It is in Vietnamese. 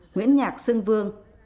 nguyễn nhạc xưng vương